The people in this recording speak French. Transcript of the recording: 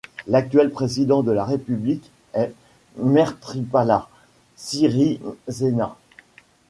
L'actuel président de la République est Maithripala Sirisena.